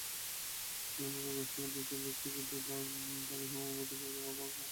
এখানে রোগগ্রস্ত যে লোকটি ছিল তাঁকে সম্ভবত কুকুরে বা বাঘে নিয়ে গেছে।